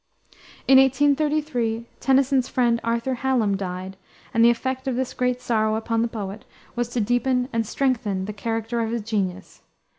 In 1833 Tennyson's friend, Arthur Hallam, died, and the effect of this great sorrow upon the poet was to deepen and strengthen the character of his genius.